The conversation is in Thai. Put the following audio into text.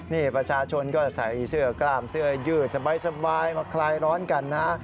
นี่ประชาชนก็ใส่เสื้อกล้ามเสื้อยืดสบายมาคลายร้อนกันนะ